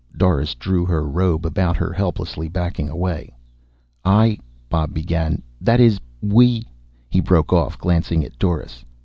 Doris drew her robe about her helplessly, backing away. "I " Bob began. "That is, we " He broke off, glancing at Doris.